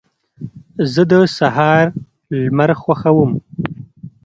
زه د سهار لمر خوښوم.